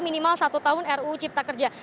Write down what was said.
minimal satu tahun ruu cipta kerja